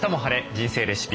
人生レシピ」